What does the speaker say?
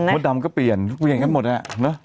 หมดดำก็เปลี่ยนเปลี่ยนให้หมดน่ะ